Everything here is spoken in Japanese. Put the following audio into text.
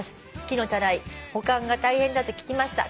「木のタライ保管が大変だと聞きました」